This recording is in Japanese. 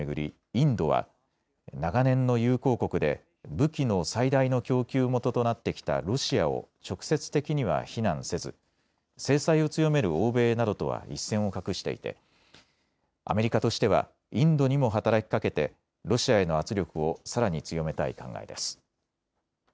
インドは長年の友好国で武器の最大の供給元となってきたロシアを直接的には非難せず制裁を強める欧米などとは一線を画していてアメリカとしてはインドにも働きかけてロシアへの圧力をさらに強めたい考えです。